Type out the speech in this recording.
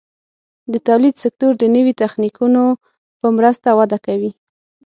د تولید سکتور د نوي تخنیکونو په مرسته وده کوي.